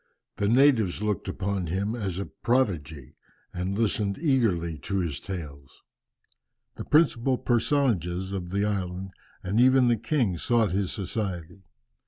The natives looked upon him as a prodigy, and listened eagerly to his tales. The principal personages of the island, and even the king sought his society.